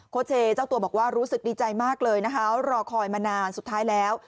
เชเจ้าตัวบอกว่ารู้สึกดีใจมากเลยนะคะรอคอยมานานสุดท้ายแล้ว